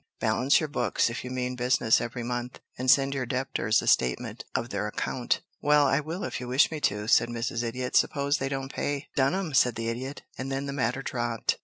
Balance your books, if you mean business, every month, and send your debtors a statement of their account." "Well, I will if you wish me to," said Mrs. Idiot. "Suppose they don't pay?" "Dun 'em," said the Idiot. And then the matter dropped.